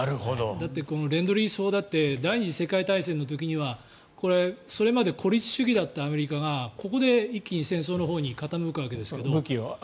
だってレンドリース法だって第２次世界大戦の時にはそれまで孤立主義だったアメリカがここで一気に戦争のほうに傾くわけですが。